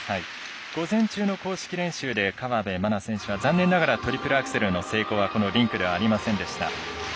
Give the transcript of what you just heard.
午前中の公式練習で河辺愛菜選手は残念ながらトリプルアクセルの成功はこのリンクではありませんでした。